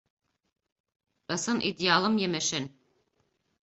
Ысын идеалым емешен.